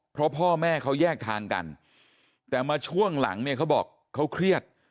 เพราะพ่อแม่เขาแยกทางกันแต่มาช่วงหลังเนี่ยเขาบอกเขาเครียด